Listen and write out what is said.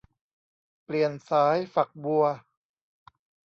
เปลี่ยนสายฝักบัว